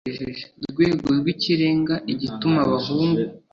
Rwego rwikirenga igituma abahungu